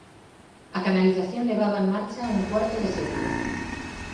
A canalización levaba en marcha un cuarto de século.